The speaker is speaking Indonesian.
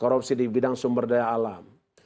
korupsi di bidang sumber daya alam